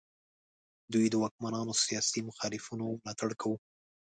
دوی د واکمنانو سیاسي مخالفینو ملاتړ کاوه.